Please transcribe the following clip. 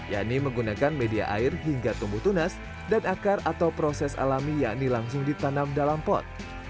yakni menggunakan media air hingga tumbuh tunas dan akar atau proses alami yakni langsung ditanam dalam pot